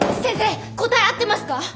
先生答え合ってますか？